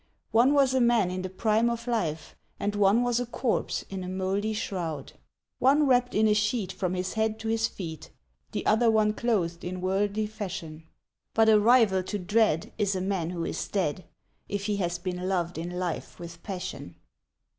One was a man in the prime of life, And one was a corpse in a moldy shroud; One wrapped in a sheet from his head to his feet, The other one clothed in worldly fashion; But a rival to dread is a man who is dead, If he has been loved in life with passion.